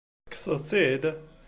Tekkseḍ-tt-id?